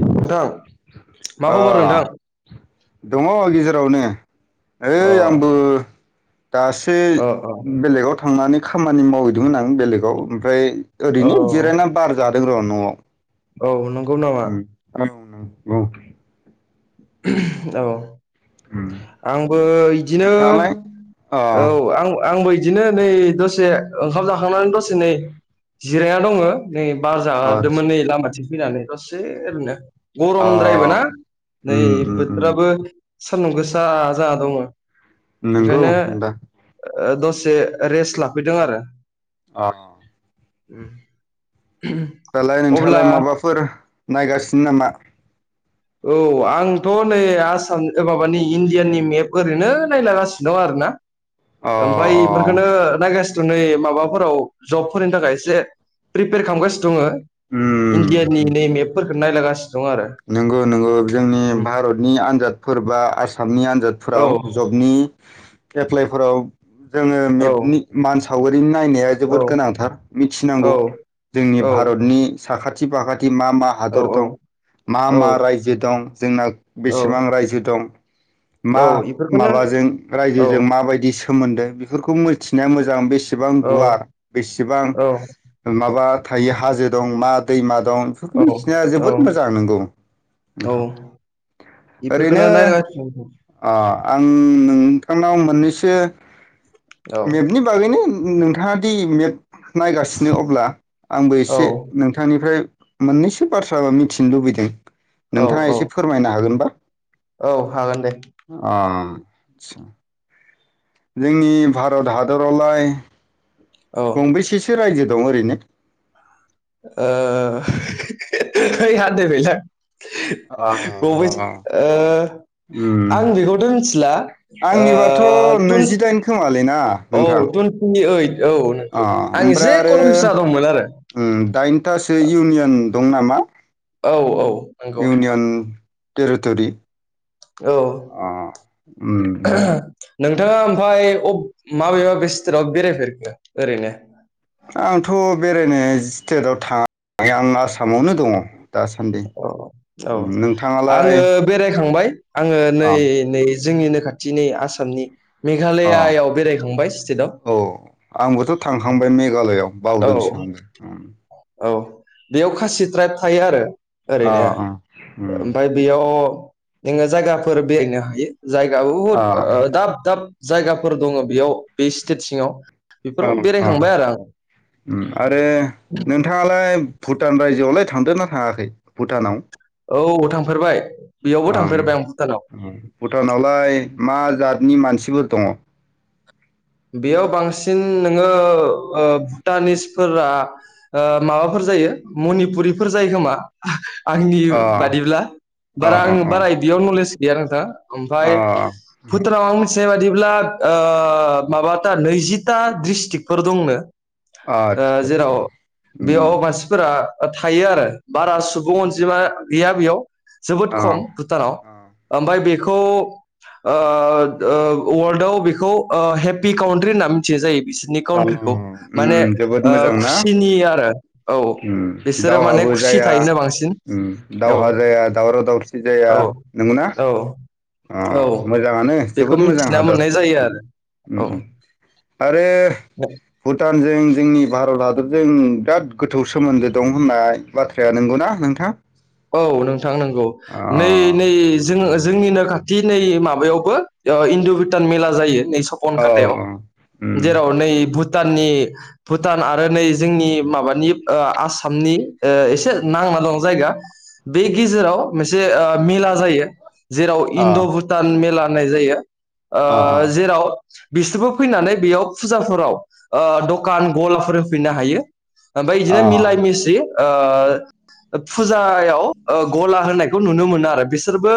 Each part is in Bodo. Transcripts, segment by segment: नोंथां मा अ खबर नोंथां दङ गेजेरावनो अ ओइ आंबो दासो अ अ बेलेगाव थांनानै खामानि मावहैदोंमोन आं बेलेगाव ओमफ्राय औ ओरैनो जिरायना बार जादों र' न'आव औ नं औ नंगौ औ उम आंबो इदिनो नोंथाङालाय अ औ आं आंबो बिदिनो नै दसे ओंखाम जाखांनानै दसे नै जिरायना दंङ नै बार आदसा जादोमोन नै लामाथिं फैनानै दसे ओरैनो अ गरमद्रायबो ना नै उम उम बोथोराबो उम सानदुं गोसा जाना दङ नंगौ ओंखायनो दा दसे रेस्ट लाफैदों आरो अ उ दालाय नोंथाङालाय माबाफोर नायगासिनो नामा औ आंथ' नै आसाम माबानि इण्डियानि मेप ओरैनो नायलगासिनो दं आरो ना अ ओमफ्राय अ बेफोरखौनो नायगासिनो नै माबाफोराव जबफोरनि थाखाय एसे प्रिपेयार खालामगासिनो दङ इण्डियानि उम नेम एपफोरखौ नायलगासिनो दं आरो नंगौ नंगौ जोंनि उम भारतनि आनजादफोर बा आसामनि औ आनजादफोराव जबनि एप्लाइफोराव जोङो औ मेपनि मान सावगारिनि नायनाया औ जोबोद गोनांथार मिथिनांगौ जोंनि औ भारतनि साखाथि बाखाथि मा मा औ हादर दं औ मा औ मा रायजो दं जोंना बेसेबां औ रायजो दं मा औ इफोरखौनो माबाजों औ रायजोजों माबायदि सी सोमोन्दो बेफोरखौ मिथिनाया मोजां बेसेबां गुवार बेसेबां औ माबा थायो हाजो दं मा दैमा दं बेफोरखौ मिथिनाया औ जोबोद मोजां नंगौ औ नोंथां ओरैनो इफोरखौनो नायगासिनो ओ आं नोंथांनाव मोननैसो औ मेपनि बागैनो नोंथाङा दि मेप नायगासिनो अब्ला आंबो औ एसे नोंथांनिफ्राय मोननैसो बाथ्राबो मिथिनो लुबैदों औ नोंथाङा औ एसे फोरमायनो हागोनबा औ हागोन दे अ आ [inaudible] जोंनि भारत हादरावलाय औ गंबेसेसो रायजो दं ओरैनो आ ह [inaudible] गं से अ आ उम आं बेखौथ' मिथिला आंनिबाथ' नैजिदाइन खोमालै ना ओ नोंथां औ टुइन्टिओइट औ अ नंगौ आं ओमफ्राय एसे आरो कनफिउस जानादंमोन आरो दाइनथासो इउनियन दं नामा औ औ नंगौ इउनियन टेरिट'रि औ अ उम नोंथाङा ओमफ्राय अप माबे माबे स्टेटाव बेरायफेरखो ओरैनो आंथ' बेरायनो स्टेटाव थाङाखै आं आसामावनो दङ दासान्दि औ औ नोंथाङालाय आङो बेरायखांबाय आङो अ नै नै जोंनिनो खाथिनि आसामनि अ मेघालयायाव बेरायखांबाय स्टेटआव औ आंबोथ' थांखांबाय मेघालयआव औ बावदोंसो आंबो औ बेयाव खासि ट्राइब थायो आरो अ ओरैनो अ उम ओमफ्राय बेयाव नोङो जायगाफोर बेरायनो हायो जायगा बुहुद अ ओ दाब दाब जायगाफोर दङ बेयाव बे स्टेट सिङाव औ बेफोराव औ बेरायखांबाय आरो आं उ आरो नोंथां नोथाङालाय भुटान रायजोआवलाय थांदोंना थाङाखै भुटानाव औ थांफेरबाय बेयावबो ओम थांफेरबाय आं भुटानाव उम भुटानावलाय मा जा नि मानसिफोर दङ बेयाव बांसिन नोङो भुटानिसफोरा ओ माबाफोर जायो मनिपुरिफोर जायो खोमा आंनि अ बादिब्ला अ बारा अ आं बारा अ इदियाव नलेज गैया नोंथां अ ओमफ्राय फुतानाव आं मिथिनाय बादिब्ला ओ माबाथा नैजिथा डिस्ट्रिक्टफोर दंनो। ओ आदसा आदसा जेराव उम बेयाव मानसिफोरा थायो आरो बारा सुबुं अनजिमा गैया बेयाव जोबोद अ खम भुटानाव अ ओमफ्राय बे खौ ओ ओ वर्ल्डाव बेखौ ओ हेप पि कउन्ट्रि होनना मिथियनाय जायो। बिसोरनि औ काउन्ट्रिखौ माने उम जोबोद ओ मोजां ना खुसिनि आरो औ बिसोरो माने बो खुसि जाया थायोनो बांसिन उम औ दावहा जाया दावराव दावसि जाया औ नंगौना? औ अ औ मोजाङानो बेखौ जोबोद मोजां मिथिना हादर। मोननाय जायो उम आरो उम आरे औ भुटान भुटानजों जोंनि भारत हादरजों बिराद गोथौ सोमोनदो दं होननाय बाथ्राया नंगौना नोंथां? औ नोंथां नंगौ अ नै नै जोङो जोंनिनो खाथि नै माबायावबो इन्दु भटान मेला जायो। होननाय सपन औ खाथायाव उम जेराव नै भुटानि भुटान आरो नै जोंनि माबानि ओ आसामनि ओ एसे नां [unintelligible] जायगा बे गेजेराव मोनसे ओ मेला जायो जेराव अ इण्ड' भुटान मेला नाय जायो अ जेराव बिसोरबो फैनानै बेयाव फुजाफोराव ओ दखान गलाफोर होफैनो हायो। ओमफ्राय अ बिदिनो मिलाय मिसि ओ फुजा फुजायाव ओ गला होननायखौ नुनो मोनो आरो बिसोरबो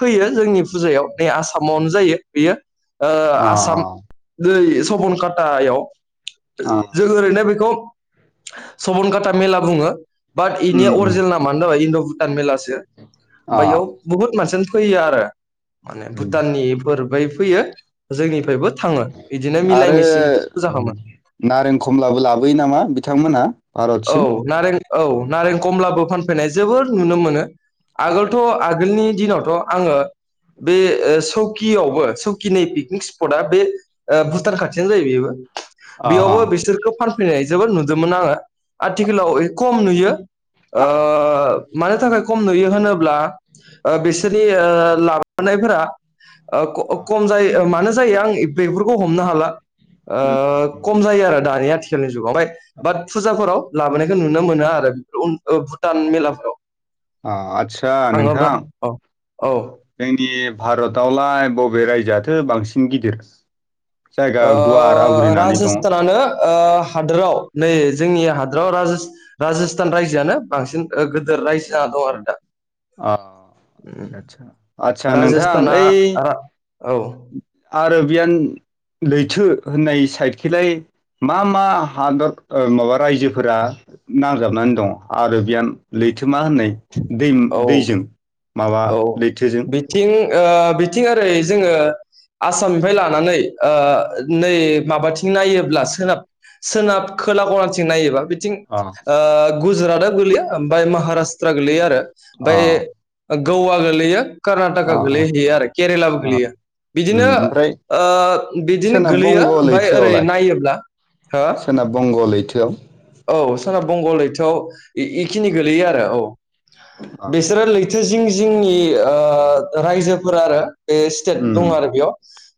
फैयो जोंनि फुजायाव बे आसामावनो जायो बेयो ओ अ आसाम नै सबनकाटायाव अ जों ओरैनो बेखौ सबनकाटा मेला बुङो बाट इनिया उम उम अरिजिनेल नामानो जाबाय इण्ड' भुटान मेलासो। ओमफ्राय अ बेयाव बुहुत मानसियानो फैयो आरो माने उम भुटाननिफोर निफ्रायबो फैयो अ जोंनिफ्रायबो थाङो बिदिनो मिलाय आरो मिसि फुजा खालामामो नारें कमलाबो लाबोयो नामा बिथांमोना? औ नारें औ नारें कमलाबो फानफैनाय जोबोर नुनो मोनो। आगोलथ' अ आगोलनि दिनावथ' आङो बे सौकियावबो सौकिनि पिकनिक स्पटआ बे भुटान ओ खाथियानो जायो बेबो। अ बेयावबो बिसोरखौ फानफैनाय जोबोद नुदोंमोन आङो। आथिखालाव खम नुयो ओ अ मानो थाखाय खम नुयो होनोब्ला ब्ला बिसोरनि लाबोनायफोरा ओ खम जायो मानो जायो आं बेफोरखौ हमनो हाला खम जायो आरो दानि आथिखालनि जुगावहाय। बाट फुजाफोराव लाबोनायखौ नुनो मोनो आरो ओ भुटान मेलाफ्राव। ओ आतसा नोंथां औ औ जोंनि भारतआवलाय बबे रायजोयाथो बांसिन गिदिर? ओ जायगा गुवार आवग्रिनानै दङ राजस्थानानो ओ हादोराव नै जोंनि हादोराव राजस्थान रायजोआनो बांसिन गोदिर। रायजागौ आरो दा। ओ आदसा नोंथां राजस्थाना ओइ रा औ आरो आर'बियान लैथो होननाय साइडथिंलाय मा मा हादर ओ माबा रायजोफोरा नांजाबनानै दं आरो आर'बियान लैथो लैथोमा होननाय दै औ दैजों माबा औ लैथोजों बिथिं ओ बिथिं ओरै जोङो आसामनिफ्राय लानानै ओ नै माबाथिं नायोब्ला सोनाब सोनाब खोला खनाथिं नायोबा थिं अ ओ गुजरातआ गोलैयो ओमफ्राय महाराष्ट्राआ गोलैयो आरो अ ओफ्राय गवा गोलैयो कर्नाटकआ अ गोलैहैयो आरो केरेलाबो अ अ गोलैयो उम बिदिनो ओमफ्राय ओ बिदिनो सोनाब गोलैयो बंग' ओमफ्राय ओरै लैथोआवलाय नायोब्ला हो सोनाब बंग' लैथोआव औ सोनाब बंग लैथोआव बेखिनि गोलैयो आरो औ अ बिसोरो लैथो जिं जिंनि ओ रायजोफोर आरो बे स्टेट उम दङ आरो बेयाव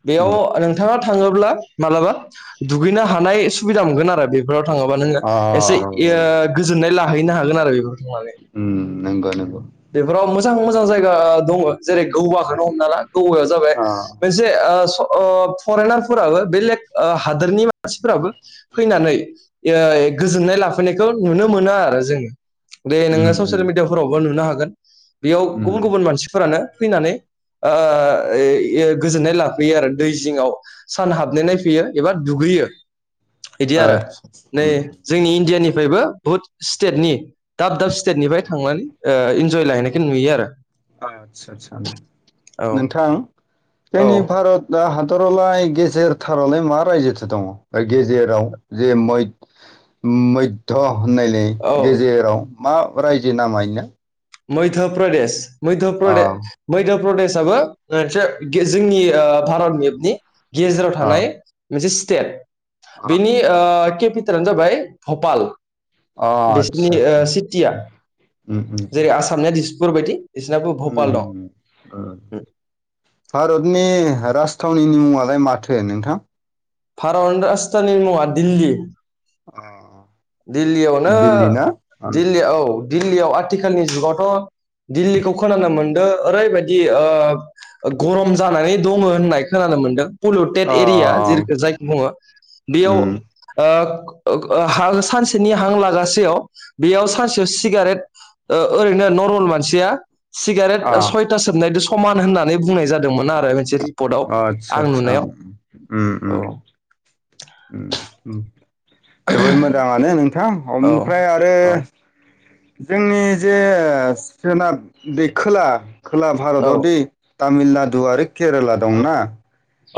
बेयाव उम नोंथाङा थाङोब्ला मालाबा दुगैनो हानाय सुबिदा मोनोन आरो बेफोराव थाङोबा नोङो अ एसे औ गोजोननाय लाहैनो हागोन आरो बेफोर थांनानै उ नंगौ नंगौ बेफोराव मोजां मोजां जायगा दङ जेरै गौबाखौनो हमनाला गवाया जाबाय अ मोनसे फरेनारफोराबो बे लेक हादोरनि मानसिफोराबो फैनानै गोजोननाय लाफैनायखौ नुनो मोनो आरो जोङो बे नोङो उम उम ससियेल मिडियाफोरावबो नुनो हागोन बेयाव उम गुबुन गुबुन मानसिफोरानो फैनानै गोजोननाय लाफैयो आरो दै जिङाव सान हाबनाय नाय फैयो एबा दुगैयो बिदि आरो आदसा नै उम जोंनि इण्डियानि फ्रायबो बुहुत स्टेटनि दाब दाब स्टेट निफ्राय थांनानै इन्जय लाहैनायखौ नुयो आरो आदसा आ औ नोंथां औ जोंनि भारतआ हाद दरावलाय गेजेर थारावलाय मा रायजोथ दङ गेजेराव जे मै मैध्य होननायनि औ गेजेराव मा रायजो नामा बिनो मध्य प्रदेश प्रदेशाबबो जोंनि भारत मेपनि गेजेराव अ थानाय मोनसे स्टेट अ बेनि केपि जाबाय भपाल अ बिसोरनि आतसा आतसा सिटिया उम जेरै आसामनिया दिसपुर बायदि बिसोरनाबो भपाल दं भारतनि थावनि मुङालाय माथो नोंथां भारत नि राजथावनि नि मुंआ दिल्ली दिल्लीयावनो दिल्ली ना दिल्ली औ दिल्लीयाव आथिखालनि जुगावथ' दिल्लीखौ खोनानो मोनदों ओरैबायदि गरम जानानै दङ होननाय खोनानो मोनदों पलिुटेड एरिया जे अ जायखौ बुङो उम बेयाव हां सानसेनि हां लागासेयाव बेयाव सानसेयाव सिगारेट ओरैनो नरमेल मानसिया सिगारेट अ सयथा सोबनायद समान होननानै बुंनाय जादोंमोन आरो मोनसे रिपर्टआव आतसा आं आतसा नुनायाव औ जोबोद मोजाङानो नोंथां औ ओमफ्राय आरो जोंनि जे सोनाब दैखोला खोला औ भारताव दै तामिलनाडु आरो केरेला दंना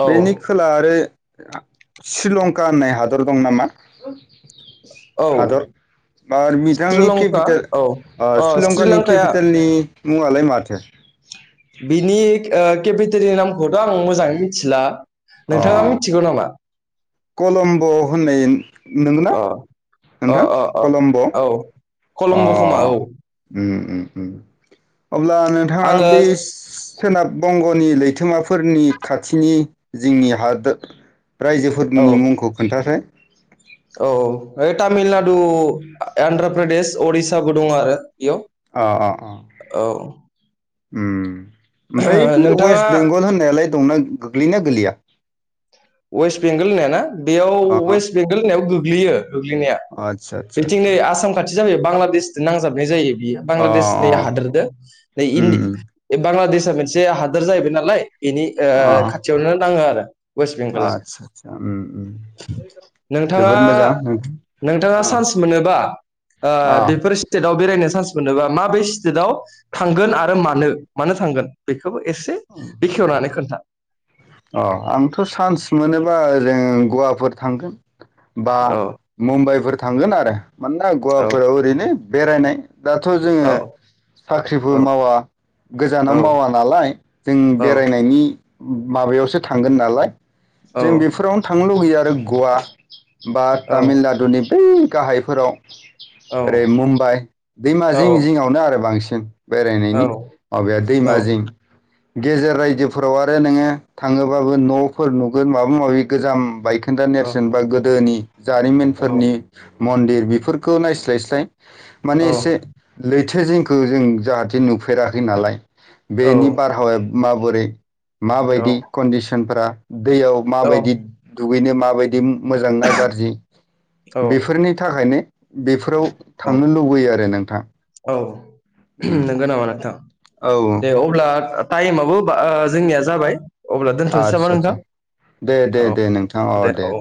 औ बेनि खोला आरो श्रीलंका होननाय हादर दं नामा औ आरो बिथांनि श्रीलंका केपिटेल औ अ श्रीलंकानि श्रीलंकाया केपिटेलनि मुं आलाय माथो बिनि केपिटेलनि नामखौथ' आं मोजाङै मिथिला अ नोंथाङा मिथिगौ नामा? कलम्ब' होननाय नोंगो ना अ नोंथां कलम्ब' अ कलम्ब'खोमा औ उम उम उम अब्ला नोंथाङा आङो बे सोनाब बंग'नि लैथोमा फोरनि खाथिनि जोंनि हादोर रायजोफोरनि औ मुंखौ खोन्थासाय औ तामिलनाडु आन्ध्र प्रदेश उरिसाबो दङ आरो इयाव अ अ अ औ ओमफ्राय बे नोंथाङा वेस्ट बेंगल होननायालाय दंना गोग्लैना गोलैया वेस्ट बेंगल होननाय ना बेयाव अ अ वेस्ट बेंगल होननायाव गोग्लैयो गोग्लैनाया आदसा आदसा आदसा बेथिंनोै आसाम खाथि जाबाय बांलादेशजों नांजाबनाय जायो बे अ बांलादेशनि अ हादोरदो नै उम इया बांलादेशआ मोनसे हादोर जाहैबाय नालाय बेनि अ खाथियावनो नाङो आरो बस आदसा आदसा उम उम नोंथाङा जोबोद मोजां नोंथां नोंथाङा अ चान्स मोनोबा अ बेफोर बेरायनो चान्स मोनोबा माबे स्टेटआव थांगोन आरो मानो मानो थांगोन बेखौ बेखौबो एसे बेखेवनानै खोन्था अ आंथ' चान्स मोनोबा ओजों गवाफोर थांगोन बा औ मुम्बाइफोर थांगोन आरो मानोना औ गवाफोराव ओरैनो बेरायनाय दाथ' जोङो औ साख्रिबो मावा औ गोजानाव मावा नालाय जों औ बेरायनायनि माबायावसो थांगोन नालाय औ जों बेफोरावनो थांनो लुबैयो आरो गवा बा औ तामिलनाडुनि बै गाहायफोराव ओरै मुम्बाइ दैमा औ जिं जिङआवनो आरो बांसिन औ बेरायनायनि माबाया दैमा जिं गेजेर रायजोफोराव आरो नोङो थाङोबाबो न'फोर नुगोन माबा माबि गोजाम बायखोन्दा नेरसोनबा गोदोनि जारिमिनफोरनि मन्दिर बेफोरखौ नायस्लायस्लाय माने औ एसे लैथो जिंखौ जों जाहाथे नुफेराखै नालाय बेनि बारहावाया माबोरै माबायदि कन्डिसनफोरा दैयाव माबायदि दुगैनो माबायदि मोजां ना गाज्रि औ बेफोरनि थाखायनो बेफोराव थांनो औ लुबैयो आरो नोंथां औ उम नंगौ नामा नोंथां औ दे अब्ला टाइमाबो जोंनिया जाबाय अब्ला दोनथ'नोसै नामा आदसा आदसा नोंथां दे दे औ दे नोंथां अ दे औ